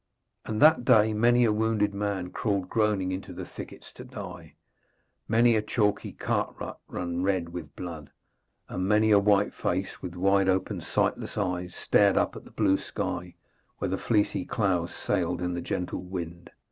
And that day many a wounded man crawled groaning into the thickets to die, many a chalky cart rut ran red with blood, and many a white face, with wide open, sightless eyes, stared up at the blue sky, where the fleecy clouds sailed in the gentle wind.